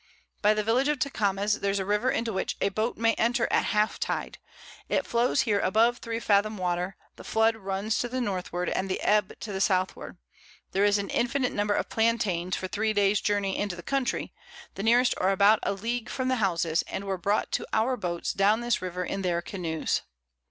By the Village of Tecames there's a River into which a Boat may enter at half Tide; it flows here above 3 Fathom Water, the Flood runs to the Northward, and the Ebb to the Southward; there is an infinite Number of Plantains for 3 Days Journey into the Country, the nearest are about a League from the Houses, and were brought to our Boats down this River in their Canoes.